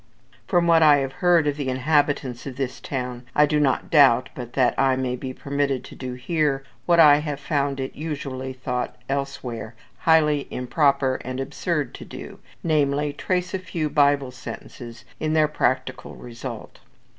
From what I have heard of the inhabitants of this town, I do not doubt but that I may be permitted to do here what I have found it usually thought elsewhere highly improper and absurd to do, namely, trace a few Bible sentences to their practical result.